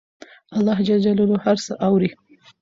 الله ج هر څه اوري